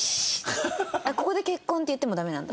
ここで「結婚」って言ってもダメなんだ。